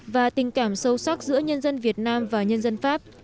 và tình cảm sâu sắc giữa nhân dân việt nam và nhân dân pháp